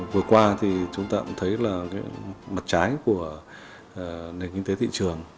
vừa qua thì chúng ta cũng thấy là mặt trái của nền kinh tế thị trường